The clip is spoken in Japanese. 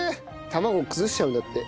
卵崩しちゃうんだって。